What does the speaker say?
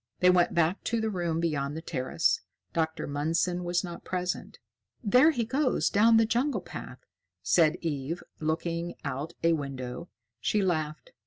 They went back to the room beyond the terrace. Dr. Mundson was not present. "There he goes down the jungle path," said Eve, looking out a window. She laughed.